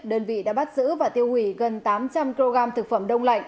đơn vị đã bắt giữ và tiêu hủy gần tám trăm linh kg thực phẩm đông lạnh